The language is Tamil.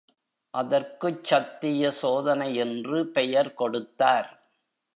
அதற்குச் சத்திய சோதனை என்று பெயர் கொடுத்தார்.